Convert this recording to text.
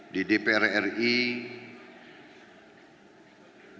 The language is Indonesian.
di depan pancasila dan di depan pancasila